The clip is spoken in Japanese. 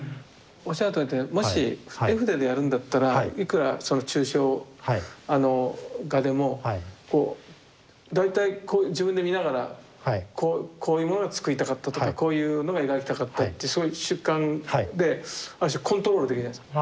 おっしゃるとおりでもし絵筆でやるんだったらいくらその抽象画でもこう大体自分で見ながらこういうものが作りたかったとかこういうのが描きたかったってそういう主観である種コントロールできるじゃないですか。